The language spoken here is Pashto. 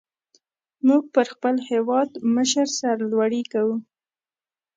موږ پر خپل هېوادمشر سر لوړي کو.